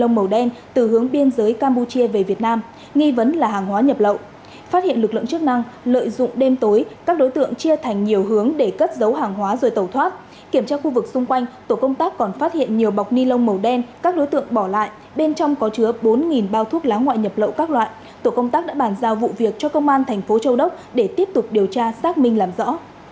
tổ công tác đã phát hiện nhiều bọc ni lông màu đen từ hướng biên giới campuchia về việt nam nghi vấn là hàng hóa nhập lậu phát hiện lực lượng chức năng lợi dụng đêm tối các đối tượng chia thành nhiều hướng để cất giấu hàng hóa rồi tẩu thoát kiểm tra khu vực xung quanh tổ công tác còn phát hiện nhiều bọc ni lông màu đen các đối tượng bỏ lại bên trong có chứa bốn bao thuốc lá ngoại nhập lậu các loại tổ công tác đã bàn giao vụ việc cho công an thành phố châu đốc để tiếp tục điều tra xác minh làm rõ